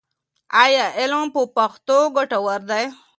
ایا علم په پښتو ګټور دی؟